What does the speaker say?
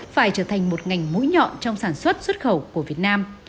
phải trở thành một ngành mũi nhọn trong sản xuất xuất khẩu của việt nam